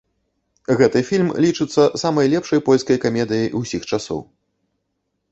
Гэты фільм лічыцца самай лепшай польскай камедыяй усіх часоў.